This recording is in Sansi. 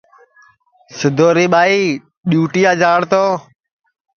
سدوری ٻائی ڈِؔوٹِیا جاݪ تو